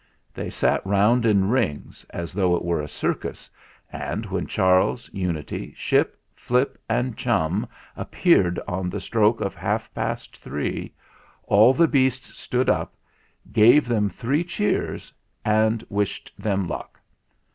They sat round in rings, as though it were a circus, and when Charles, Unity, Ship, Flip, and Chum ap peared on the stroke of half past three, all the beasts stood up, gave them three cheers, and wished them luck.